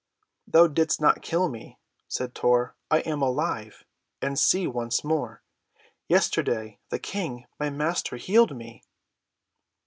"Thou didst not kill me," said Tor. "I am alive, and see once more. Yesterday the King, my Master, healed me."